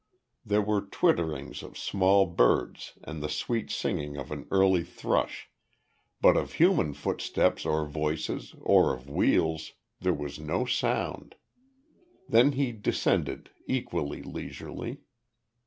There were twitterings of small birds and the sweet singing of an early thrush, but of human footsteps or voices, or of wheels, there was no sound. Then he descended, equally leisurely.